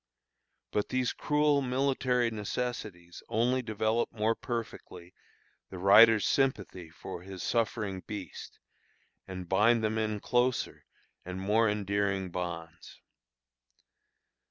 But these cruel military necessities only develop more perfectly the rider's sympathy for his suffering beast, and bind them in closer and more endearing bonds.